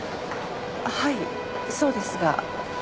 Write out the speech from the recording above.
はいそうですが。